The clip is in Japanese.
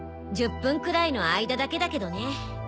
１０分くらいの間だけだけどね。